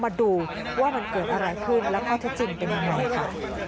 มาดูว่ามันเกิดอะไรขึ้นและข้อเท็จจริงเป็นยังไงค่ะ